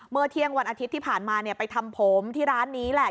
เมื่อเที่ยงวันอาทิตย์ที่ผ่านมาไปทำผมที่ร้านนี้แหละ